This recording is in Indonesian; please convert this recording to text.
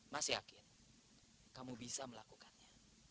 masih yakin kamu bisa melakukannya